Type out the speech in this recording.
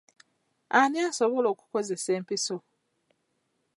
Ani asobola okukozesa empiso?